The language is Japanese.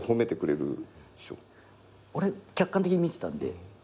俺客観的に見てたんで。